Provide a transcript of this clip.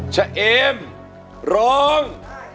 เอมร้อง